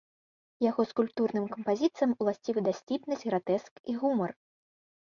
Яго скульптурным кампазіцыям уласцівы дасціпнасць, гратэск і гумар.